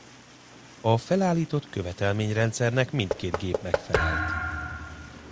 A felállított követelményrendszernek mindkét gép megfelelt.